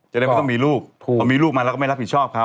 จะได้ไม่ต้องมีลูกพอมีลูกมาเราก็ไม่รับผิดชอบเขา